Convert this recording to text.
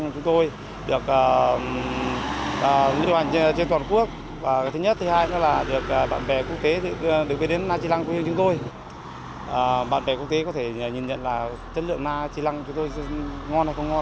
chúng tôi là người dân mong mỏi là làm sao là thứ nhất sản phẩm của na chi lăng